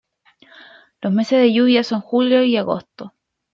Los meses de lluvia son julio y agosto.